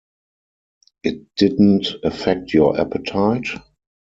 It didn't affect your appetite?